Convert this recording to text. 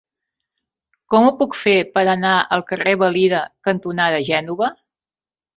Com ho puc fer per anar al carrer Valira cantonada Gènova?